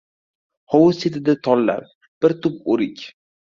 Hovuz chetida tollar, bir tup o‘rik.